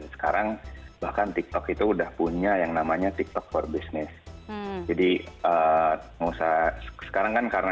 sekarang bahkan tiktok itu udah punya yang namanya tiktok for business jadi pengusaha sekarang kan karena